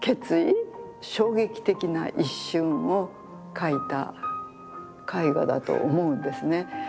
衝撃的な一瞬を描いた絵画だと思うんですね。